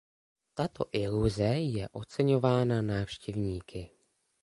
Tato iluze je oceňována návštěvníky.